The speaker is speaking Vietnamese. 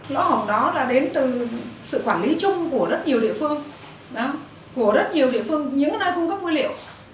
lỗ hỏng đó là đến từ sự quản lý chung của rất nhiều địa phương của rất nhiều địa phương những nơi cung cấp nguyên liệu